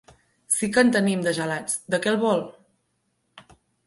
Sí que en tenim, de gelats; de què el vol?